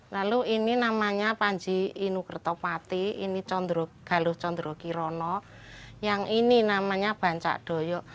lalu ini namanya panji inukertopati ini galuh chondrogirono yang ini namanya bancak doyo